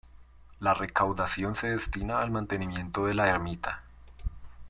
La recaudación se destina al mantenimiento de la ermita.